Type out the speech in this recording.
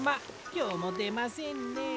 きょうもでませんね。